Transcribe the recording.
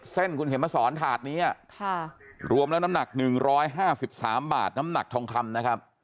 เส้นคุณเข็มมาสอนถาดนี้รวมแล้วน้ำหนัก๑๕๓บาทน้ำหนักทองคำนะครับ